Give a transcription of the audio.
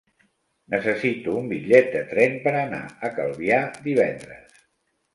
Necessito un bitllet de tren per anar a Calvià divendres.